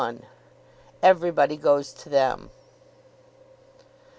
EVERYBODY GOES TO THEM.